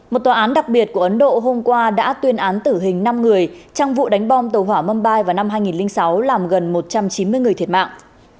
một tòa án đặc biệt của ấn độ hôm qua đã tuyên án tử hình năm người trong vụ đánh bom tàu hỏa mâmbai vào năm hai nghìn sáu làm gần một trăm chín mươi người thiệt mạng